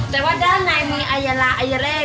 แต่ว่าด้านในมีอายาลาอายแรก